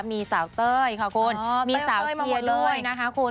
มีสาวเต้ยค่ะคุณมีสาวเชียร์เลยนะคะคุณ